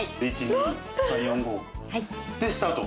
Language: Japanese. でスタート。